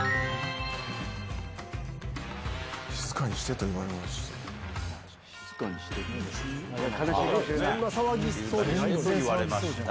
静かにしてと言われました？